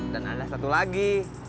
dan ada satu lagi